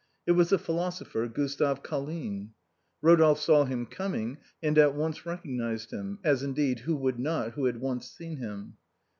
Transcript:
It was the philosopher, Gustave Col line. Rodolphe saw him coming, and at once recognized him; as, indeed, who would not who had once seen him?